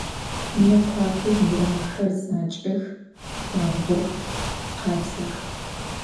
Mıêkhuape yiuramxer zanç'ex, şsuambğox, khabzex.